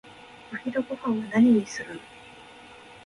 お昼ごはんは何にする？